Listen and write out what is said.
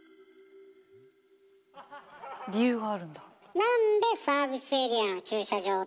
理由があるんだ。